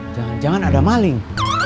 jangan jangan ada maling